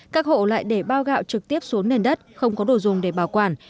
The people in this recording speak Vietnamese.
các hộ lại để bao gạo trực tiếp xuống nền đất không có đồ dùng để bảo quản